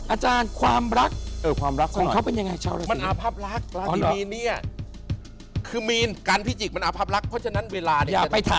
อาจารย์ความรักความรักของเขาเป็นยังไง